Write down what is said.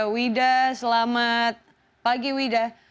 wida selamat pagi wida